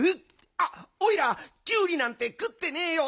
あっおいらキュウリなんてくってねえよ。